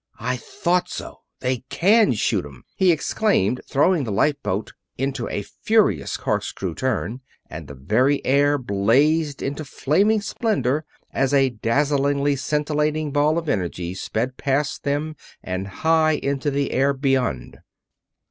"I thought so they can shoot 'em!" he exclaimed, throwing the lifeboat into a furious corkscrew turn, and the very air blazed into flaming splendor as a dazzlingly scintillating ball of energy sped past them and high into the air beyond.